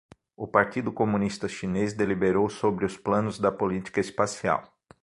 O Partido Comunista Chinês deliberou sobre os planos da política espacial